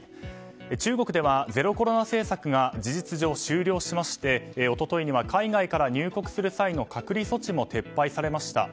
中国ではゼロコロナ政策が事実上終了しまして一昨日には海外から入国する際の隔離措置も撤廃されました。